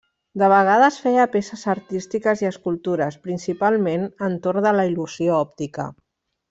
De vegades feia peces artístiques i escultures, principalment entorn de la il·lusió òptica.